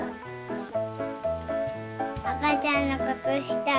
あかちゃんのくつした。